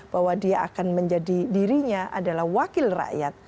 bahwa dia akan menjadi dirinya adalah wakil rakyat